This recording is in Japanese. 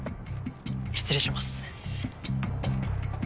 失礼します。